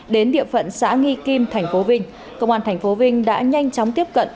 đến địa phận xã nghi kim tp vinh công an tp vinh đã nhanh chóng tiếp cận